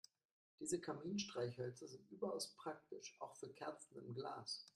Diese Kaminstreichhölzer sind überaus praktisch, auch für Kerzen im Glas.